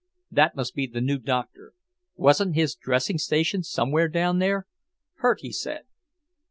That must be the new doctor; wasn't his dressing station somewhere down here? Hurt, he said.